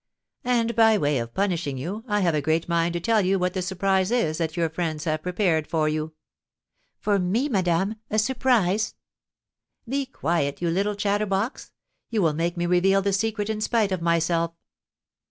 "And, by way of punishing you, I have a great mind to tell you what the surprise is that your friends have prepared for you." "For me, madame, a surprise?" "Be quiet, you little chatterbox! You will make me reveal the secret, in spite of myself."